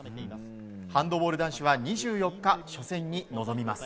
ハンドボール男子は２４日、初戦に臨みます。